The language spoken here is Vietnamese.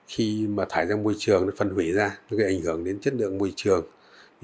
khi mà thải ra môi trường nó phân hủy ra nó gây ảnh hưởng đến chất lượng môi trường